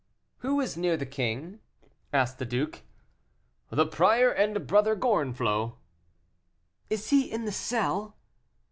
"Who is near the king?" asked the duke. "The prior and Brother Gorenflot." "Is he in the cell?"